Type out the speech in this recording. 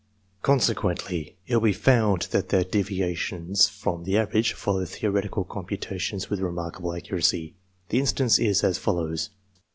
Consequently, it will be found that their deviations from the average follow theoretical computations with remarkable accuracy. The instance is as follows.